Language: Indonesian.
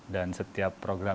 dan setiap program